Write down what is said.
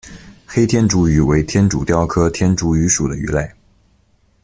黑天竺鱼为天竺鲷科天竺鱼属的鱼类。